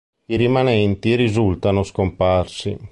I rimanenti risultano scomparsi.